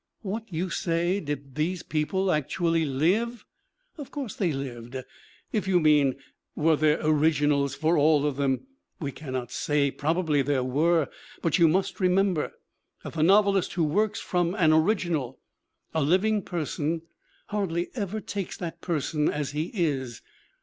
What, you say, did these people actually live? Of course they lived. If you mean, were there orig inals for all of them ? we cannot say. Probably there were. But you must remember that the novelist who works from an original, a living person, hardly ever takes that person as he is.